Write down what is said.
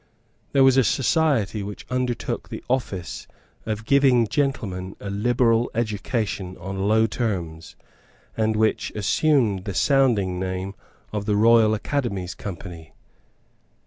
There was a society which undertook the office of giving gentlemen a liberal education on low terms, and which assumed the sounding name of the Royal Academies Company.